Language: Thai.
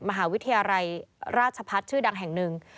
มหาวิทยาลัยราชพัฒน์ชื่อดังแห่งหนึ่ง